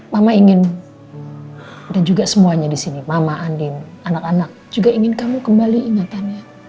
mama ingin dan juga semuanya di sini mama andin anak anak juga ingin kamu kembali ingatannya